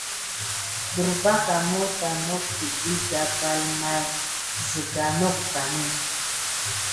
Desbarga mawta nok i ķəɗi gabal may may zəga nok vani.